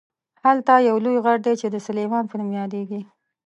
هلته یو لوی غر دی چې د سلیمان په نوم یادیږي.